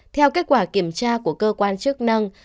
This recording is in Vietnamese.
theo kết quả kiểm tra của cơ quan chức năng